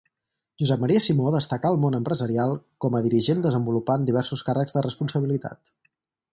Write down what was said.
Josep Maria Simó destacà al món empresarial com a dirigent desenvolupant diversos càrrecs de responsabilitat.